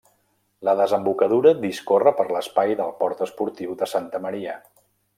La desembocadura discorre per l'espai del port esportiu de Santa Maria.